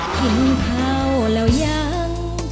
กินข้าวแล้วยัง